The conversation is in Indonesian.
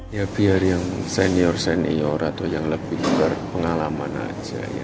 ya biar yang senior senior atau yang lebih berpengalaman aja ya